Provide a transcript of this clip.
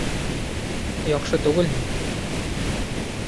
— Яҡшы түгелме?